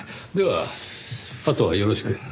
ではあとはよろしく。